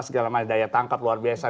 segala macam daya tangkap luar biasa